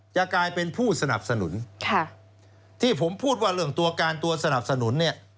จะกลายเป็นผู้สนับสนุนที่ผมพูดว่าเรื่องตัวการตัวสนับสนุนเนี่ย